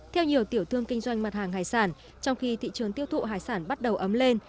theo nhiều tiểu thương kinh doanh mặt hàng hải sản trong khi thị trường tiêu thụ hải sản bắt đầu ấm lên